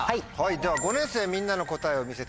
では５年生みんなの答えを見せてもらいましょう。